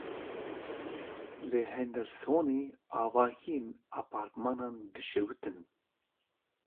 Li Hendersonê avahiyên apartmanan dişewitin.